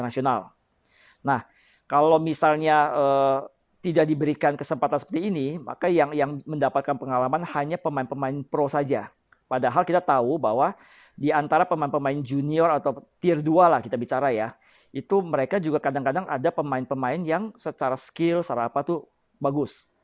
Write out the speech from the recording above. secara ya itu mereka juga kadang kadang ada pemain pemain yang secara skill secara apa tuh bagus